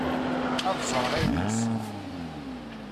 ad ẓreɣ ayen yessen